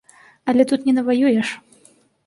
Але тут не наваюеш.